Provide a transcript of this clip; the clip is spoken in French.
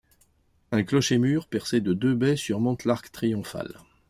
Un clocher-mur, percé de deux baies surmonte l'arc triomphal.